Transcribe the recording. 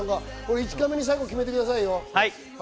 １カメに最後決めてくださいよ。